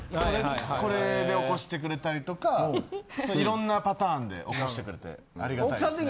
これで起こしてくれたりとかいろんなパターンで起こしてくれてありがたいですね。